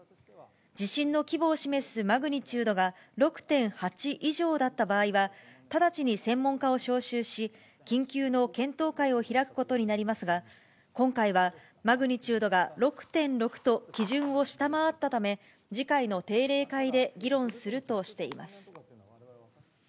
地震の規模を示すマグニチュードが６．８以上だった場合は、直ちに専門家を招集し、緊急の検討会を開くことになりますが、今回はマグニチュードが６．６と基準を下回ったため、次回の定例会で議論するとしています。